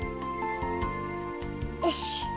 よし。